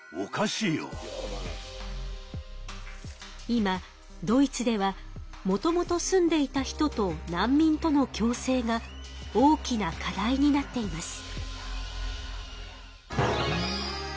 今ドイツではもともと住んでいた人と難民との共生が大きな課題になっています。